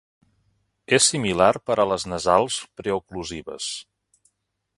És similar per a les nasals preoclusives.